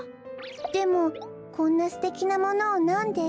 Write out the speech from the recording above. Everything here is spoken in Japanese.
でもこんなすてきなものをなんで？